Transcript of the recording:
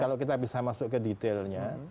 kalau kita bisa masuk ke detailnya